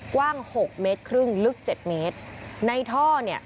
กว้างหกเมตรครึ่งลึกเจ็ดเมตรในท่อเนี่ย